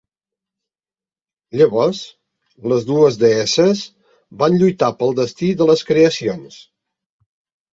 Llavors les dues deesses van lluitar pel destí de les creacions.